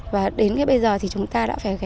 và đến bây giờ thì chúng ta